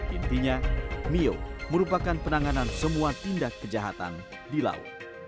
intinya mio merupakan penanganan semua tindak kejahatan di laut